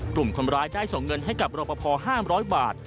กลุ่มคนร้ายได้ส่งเงินให้กับรอปภ๕๐๐บาท